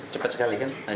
cepat sekali kan